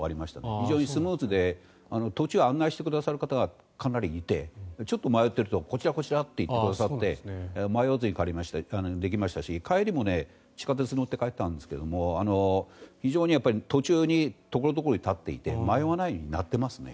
非常にスムーズで途中、案内してくださる方がかなりいてちょっと迷っているとこちら、こちらって言ってくださって迷わずにできましたし帰りも地下鉄に乗って帰ったんですが非常に途中に所々に立っていて迷わないようになっていますね。